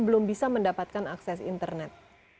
belum bisa mendapatkan akses internet